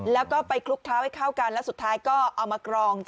แล้วก็ไปคลุกเท้าให้เข้ากันแล้วสุดท้ายก็เอามากรอง